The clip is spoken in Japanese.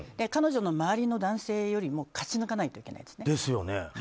彼女の周りの男性よりも勝ち抜かないといけないですね。